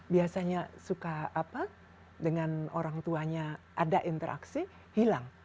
biasanya suka apa dengan orang tuanya ada interaksi hilang